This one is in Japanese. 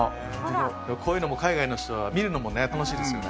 こういうのも海外の人は、見るのも楽しいですよね。